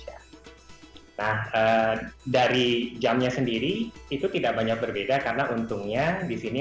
xi messihr der yang juga tidak mikir yg murid di tim ini